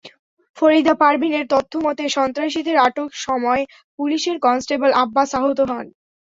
ফরিদা পারভিনের তথ্যমতে, সন্ত্রাসীদের আটক সময় পুলিশের কনস্টেবল আব্বাস আহত হন।